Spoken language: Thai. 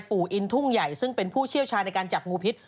อินทุ่งใหญ่ซึ่งเป็นผู้เชี่ยวชาญในการจับงูพิษ